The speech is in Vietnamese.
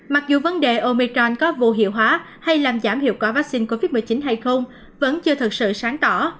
mặc dù vấn đề omechon có vô hiệu hóa hay làm giảm hiệu quả vaccine covid một mươi chín hay không vẫn chưa thật sự sáng tỏ